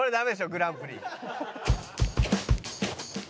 グランプリ。